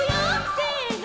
せの！